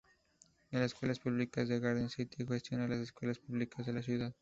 El Escuelas Públicas de Garden City gestiona las escuelas públicas de la ciudad.